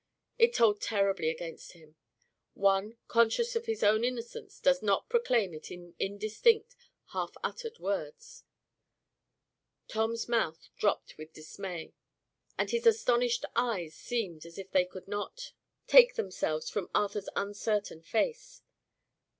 It told terribly against him. One, conscious of his own innocence, does not proclaim it in indistinct, half uttered words. Tom's mouth dropped with dismay, and his astonished eyes seemed as if they could not take themselves from Arthur's uncertain face.